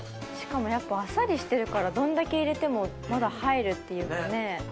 しかもあっさりしてるからどんだけ入れてもまだ入るっていうかね。